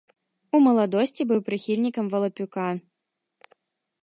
У маладосці быў прыхільнікам валапюка.